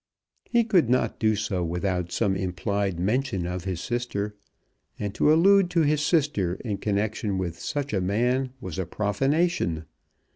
He could not do so without some implied mention of his sister, and to allude to his sister in connection with such a man was a profanation.